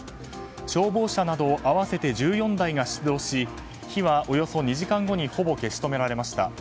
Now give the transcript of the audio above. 消防車など合わせて１４台が出動し火はおよそ２時間後にほぼ消し止められました。